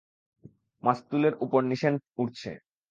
মাস্তুলের উপর নিশেন উড়ছে।